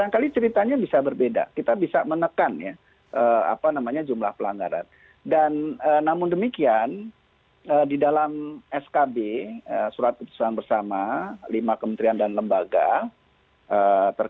atau para kepala daerah tersebut